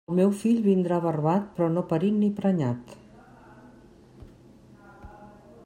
El meu fill vindrà barbat, però no parit ni prenyat.